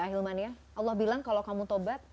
allah bilang kalau kamu tobat